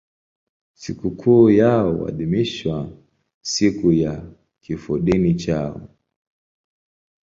Sikukuu yao huadhimishwa siku ya kifodini chao.